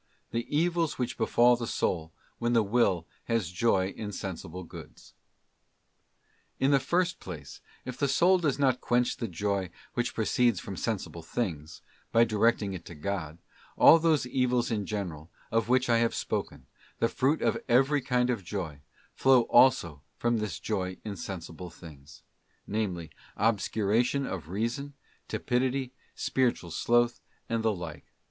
The Evils which befall the soul when the will has joy in Sensible Goods. Ix the first place, if the soul does not quench the Joy which } proceeds from Sensible things, by directing it to God, all those evils in general, of which I have spoken, the fruit of ™* every kind of joy, flow also from this joy in sensible things : namely, obscuration of Reason, tepidity, spiritual sloth and the like.